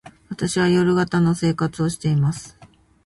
私は夜型の生活をしています。